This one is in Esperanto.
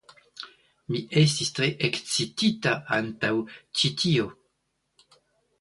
Mi estis tre ekscitita antaŭ ĉi tio.